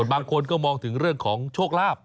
บางคนก็มองถึงเรื่องของโชคลาภ